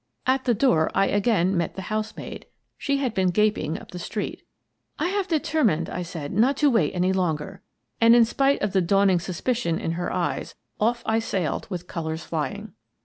At the door I again met the housemaid. She had been gaping up the street. " I have determined," I said, " not to wait any longer." And, in spite of the dawning suspicion in her eyes, off I sailed with colours flying.